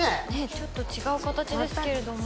ちょっと違う形ですけれども。